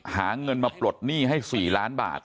หาเงินมาปลดหนี้ให้๔ล้านบาท